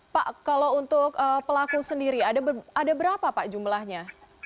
pak kalau untuk pelaku sendiri ada berapa pak jumlahnya